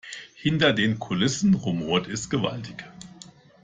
Hinter den Kulissen rumort es gewaltig.